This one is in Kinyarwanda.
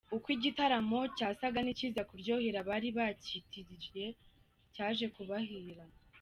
Uko iki gitaramo cyasaga n’ikiza kuryohera abari bacyitiriye cyaje kubabihira.